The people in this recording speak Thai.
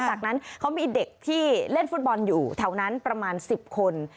จากนั้นเขามีเด็กที่เล่นฟุตบอลอยู่แถวนั้นประมาณ๑๐คน